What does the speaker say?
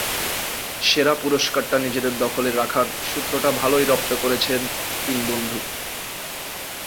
সেরা পুরস্কারটা নিজেদের দখলে রাখার সূত্রটা ভালোই রপ্ত করেছে তিন বন্ধু।